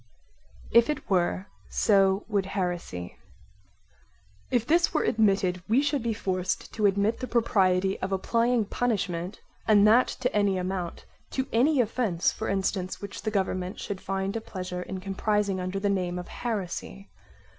If it were, so would heresy If this were admitted we should be forced to admit the propriety of applying punishment, and that to any amount, to any offence for instance which the government should find a pleasure in comprising under the name of heresy.